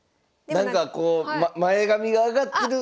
なんかこう前髪が上がってる。